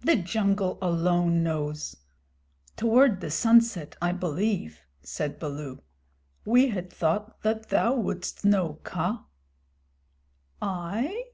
"The jungle alone knows. Toward the sunset, I believe," said Baloo. "We had thought that thou wouldst know, Kaa." "I?